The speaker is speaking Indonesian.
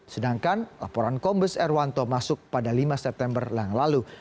sedangkan laporan kombes erwanto masuk pada lima september yang lalu